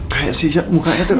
kayak si si mukanya tuh